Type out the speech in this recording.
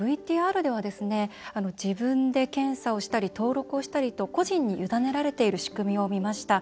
ＶＴＲでは自分で検査をしたり登録をしたりと個人に委ねられている仕組みを見ました。